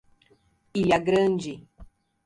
Ilha Grande